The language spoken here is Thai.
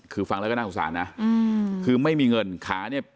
คือฟังแล้วก็น่าสงสารนะคือไม่มีเงินขาเนี่ย